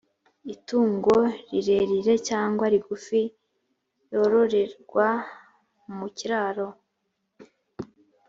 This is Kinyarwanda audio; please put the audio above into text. itungo rirerire cyangwa irigufi yororerwa mu kiraro,